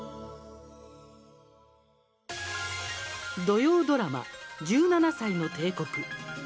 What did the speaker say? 土曜ドラマ「１７才の帝国」。